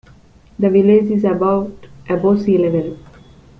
The village is about above sea level.